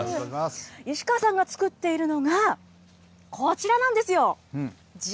石川さんが作っているのがこちらなんですよ。